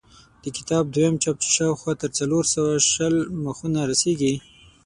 د کتاب دویم چاپ چې شاوخوا تر څلور سوه شل مخونو رسېږي.